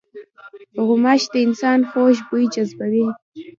غوماشې د انسان خوږ بوی جذبوي.